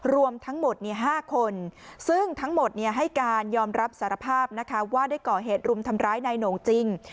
รวมทั้งหมด๕คนซึ่งทั้งหมดให้การยอมรับสารภาพนะคะว่าได้ก่อเหตุรุมทำร้ายนายโหน่งจริง